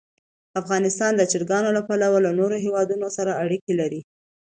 افغانستان د چرګان له پلوه له نورو هېوادونو سره اړیکې لري.